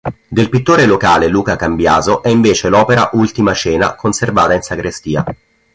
Del pittore locale Luca Cambiaso è invece l'opera "Ultima cena" conservata in sagrestia.